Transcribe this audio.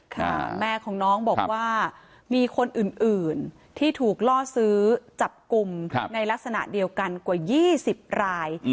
แม่ของน้องบอกว่ามีคนอื่นที่ถูกล่อซื้อจับกลุ่มในลักษณะเดียวกันกว่า๒๐ราย